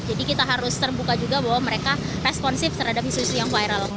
jadi kita harus terbuka juga bahwa mereka responsif terhadap isu isu yang viral